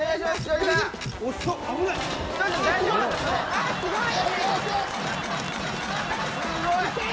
すごい！